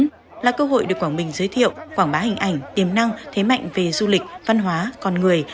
đây là cơ hội để quảng bình giới thiệu quảng bá hình ảnh tiềm năng thế mạnh về du lịch văn hóa con người